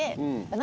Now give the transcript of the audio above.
何？